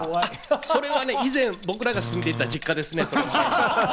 それは以前、僕らが住んでた実家ですね。